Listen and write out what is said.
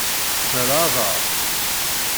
Terra aḍar.